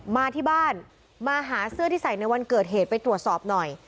มาที่บ้านมาหาเสื้อที่ใส่ในวันเกิดเหตุไปตรวจสอบหน่อย